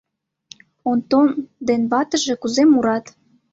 Онтон ден ватыже кузе мурат!